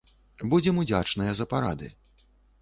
Будзем удзячныя за парады.